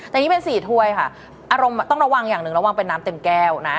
แต่นี่เป็น๔ถ้วยค่ะอารมณ์ต้องระวังอย่างหนึ่งระวังเป็นน้ำเต็มแก้วนะ